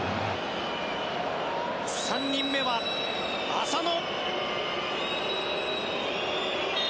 ３人目は、浅野。